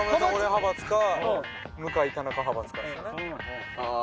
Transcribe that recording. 派閥か「向井・田中」派閥かですよねあー